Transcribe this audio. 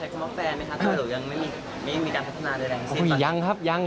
ใช้คำว่าแฟนไหมครับหรือยังไม่มีการพัฒนาในแรงสิทธิ์หรือ